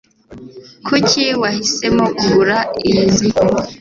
Kuki wahisemo kugura iyi nzu?